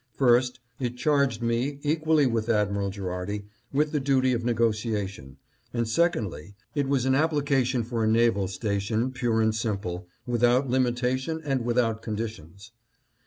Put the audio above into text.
First, it charged me, equally with Admiral Gherardi, with the duty of negotiation ; and secondly, it was an application for a naval station pure and simple, without limitation and without conditions.